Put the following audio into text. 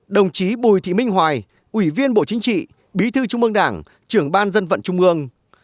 đồng chí bùi thị minh hoài ủy viên bộ chính trị bí thư trung ương đảng trưởng ban dân vận trung ương